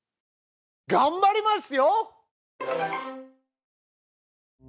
がんばりますよ！